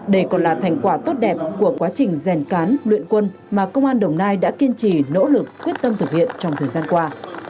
đây còn là thành quả tốt đẹp của quá trình rèn cán luyện quân mà công an đồng nai đã kiên trì nỗ lực quyết tâm thực hiện trong thời gian qua